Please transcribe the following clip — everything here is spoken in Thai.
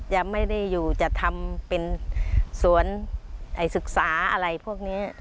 ยังไม่ได้อยู่จะทำเป็นสวนศึกษาอะไรพวกนี้